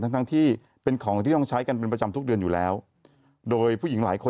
ทั้งทั้งที่เป็นของที่ต้องใช้กันเป็นประจำทุกเดือนอยู่แล้วโดยผู้หญิงหลายคน